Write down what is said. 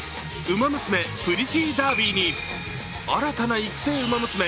「ウマ娘プリティーダービー」に新たな育成ウマ娘